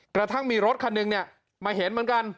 กระทั่งมีรถคันหนึ่งมาเห็นเหมือนกัน